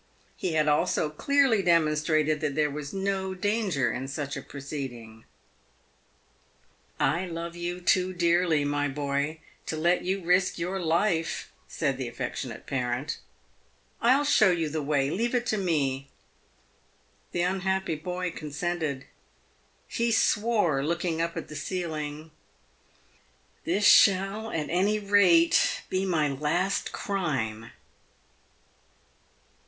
He had also clearly demonstrated that there was no danger in such a proceeding. " I love you too dearly, my boy, to let you risk your life," said the affectionate parent. " I'll show you the way. Leave it to me." The unhappy boy consented. He swore, looking up at the ceiling, " This shall, at any rate, be my last crime